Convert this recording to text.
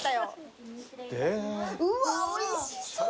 うわっおいしそう！